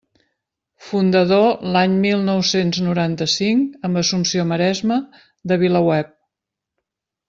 Fundador l'any mil nou-cents noranta-cinc, amb Assumpció Maresma, de VilaWeb.